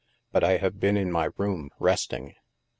" But I have been in my room, resting."